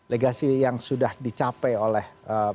legasi yang sudah dicapai oleh